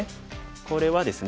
これはですね